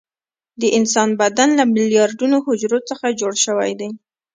د انسان بدن له میلیارډونو حجرو څخه جوړ شوی دی